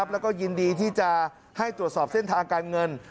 แล้วก็ยินดีที่จะให้ตรวจสอบเส้นทางการเงิน